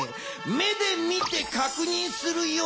目で見てかくにんするよ。